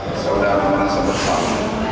apakah saudara anda merasa bersalah